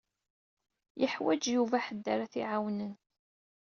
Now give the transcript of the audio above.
Yuḥwaǧ Yuba ḥedd ara t-iɛawnen.